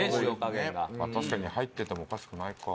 確かに入っててもおかしくないか。